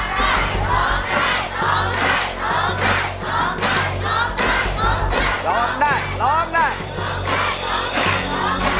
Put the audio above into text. ร้องได้ร้องได้ร้องได้ร้องได้ร้องได้